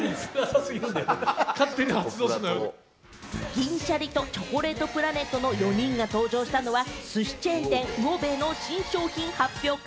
銀シャリとチョコレートプラネットの４人が登場したのは、すしチェーン店・魚べいの新商品発表会。